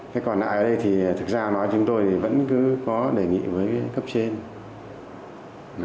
cái còn lại ở đây thì thực ra nói chúng tôi vẫn cứ có đề nghị với cấp trên